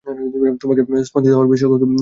তোমাকে স্পন্দিত হওয়ার বিশেষজ্ঞ বানিয়েছে কে?